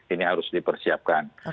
ini harus dipersiapkan